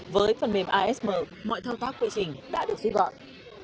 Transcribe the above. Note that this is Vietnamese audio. với phần mềm asm mọi thao tác quy trình đã được duy vọng